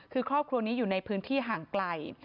คือครอบครัวนี้อยู่ในพื้นที่ห่างไกล